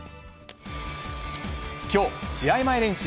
きょう、試合前練習。